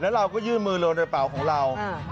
แล้วเราก็ยื่นมือลงในเป๋าของเรา